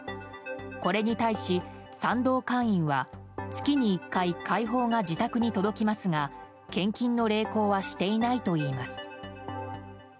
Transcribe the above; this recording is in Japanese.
これに対し、賛同会員は月に１回会報が自宅に届きますが献金の励行はしていないといいます。